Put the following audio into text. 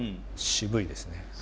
渋いですね。